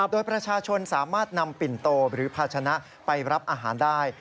โดยประชาชนสามารถนำปิ่นโตหรือภาชนะไปรับอาหารได้